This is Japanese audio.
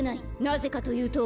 なぜかというと。